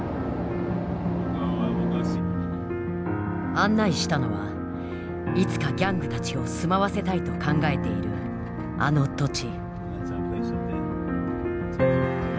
案内したのはいつかギャングたちを住まわせたいと考えているあの土地。